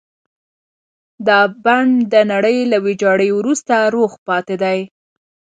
دا بڼ د نړۍ له ويجاړۍ وروسته روغ پاتې دی.